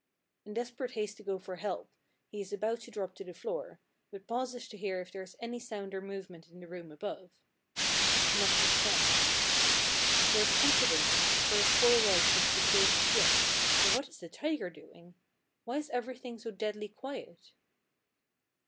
In desperate haste to go for help, he is about to drop to the floor, but pauses to hear if there is any sound or movement in the room above. Not a sound. There is comfort in that, for his poor wife must be safe as yet, but what is the tiger doing? Why is everything so deadly quiet?